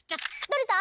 とれた？